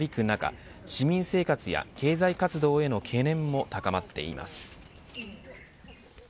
中市民生活や経済活動への懸念も高まっています。